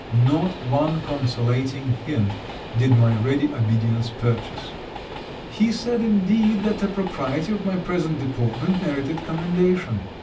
Not one consolating hint did my ready obedience purchase. He said, indeed, that the propriety of my present deportment merited commendation.